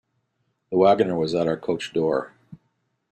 The waggoner was at our coach-door.